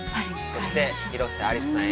そして、広瀬アリスさん